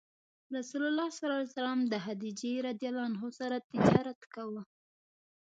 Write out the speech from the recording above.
رسول الله ﷺ د خدیجې رض سره تجارت کاوه.